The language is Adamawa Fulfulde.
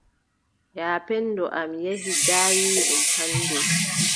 Yaapenndo am yehi daayiiɗum hannde.